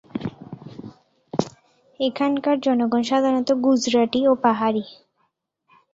এখানকার জনগণ সাধারণত গুজরাটি, পাহাড়ি।